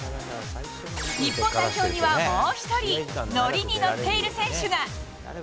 日本代表にはもう１人、乗りに乗っている選手が。